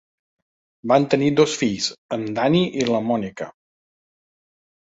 Van tenir dos fills, en Danny i la Monica.